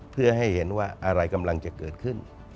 เพื่อให้เห็นว่าอะไรกำลังจะเกิดขึ้น